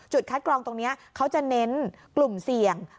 คัดกรองตรงนี้เขาจะเน้นกลุ่มเสี่ยง